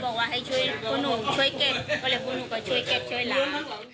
ก็เลยคุณหนูก็ช่วยเก็บช่วยล้าง